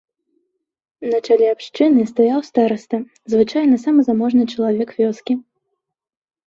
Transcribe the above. На чале абшчыны стаяў стараста, звычайна самы заможны чалавек вёскі.